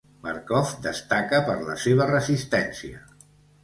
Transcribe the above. Markov destaca per la seva resistència.